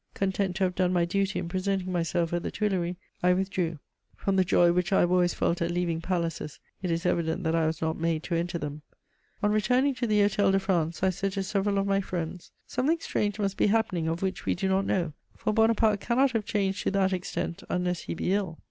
Content to have done my duty in presenting myself at the Tuileries, I withdrew. From the joy which I have always felt at leaving palaces, it is evident that I was not made to enter them. [Sidenote: Bonaparte.] On returning to the Hôtel de France, I said to several of my friends: "Something strange must be happening, of which we do not know, for Bonaparte cannot have changed to that extent, unless he be ill."